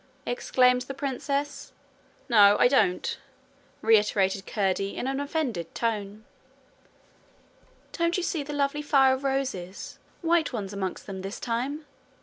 exclaimed the princess. 'No, I don't,' reiterated Curdie, in an offended tone. 'Don't you see the lovely fire of roses white ones amongst them this time?'